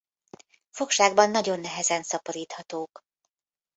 Fogságban nagyon nehezen szaporíthatók.